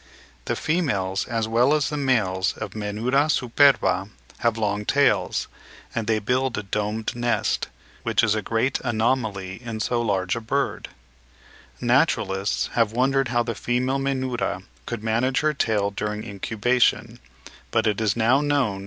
The females as well as the males of the Menura superba have long tails, and they build a domed nest, which is a great anomaly in so large a bird. Naturalists have wondered how the female Menura could manage her tail during incubation; but it is now known (8. Mr. Ramsay, in 'Proc. Zoolog. Soc.